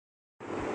لوگوں پر چلاتا ہوں